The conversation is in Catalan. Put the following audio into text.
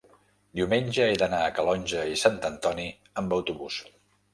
diumenge he d'anar a Calonge i Sant Antoni amb autobús.